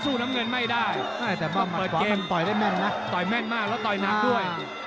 น้ำเงินไม่ได้แต่ว่าเปิดเกมต่อยได้แม่นนะต่อยแม่นมากแล้วต่อยหนักด้วย